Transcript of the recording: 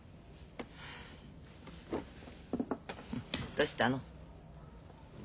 どしたの？